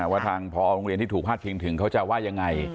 ว่าทางพอโรงเรียนที่ถูกพาดพิงถึงเขาจะว่ายังไง